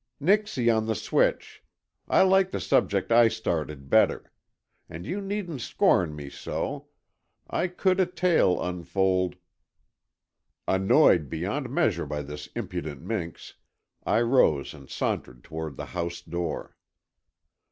"Nixie on the switch! I like the subject I started better. And you needn't scorn me so. I could a tale unfold...." Annoyed beyond measure by this impudent minx, I rose and sauntered toward the house door.